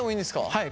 はい。